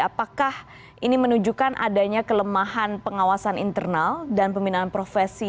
apakah ini menunjukkan adanya kelemahan pengawasan internal dan pembinaan profesi